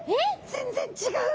全然違う。